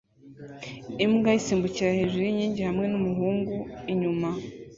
Imbwa isimbukira hejuru yinkingi hamwe numuhungu inyuma